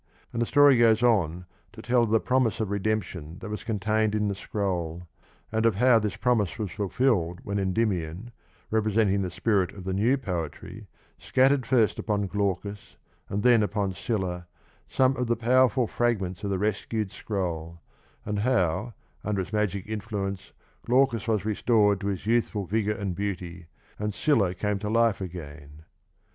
60) and the story goes on to tell of the promise of redemption that was contained in the scroll, and of how this promise was fulfilled when Endymion, representing the spirit of the new poetry, scattered first upon Glaucus, and then upon Scylla, some of the " powerful fragments " of the rescued scroll, and how under its magic influence Glaucus was restored to his youthful vigour and beauty, and Scylla came to life again.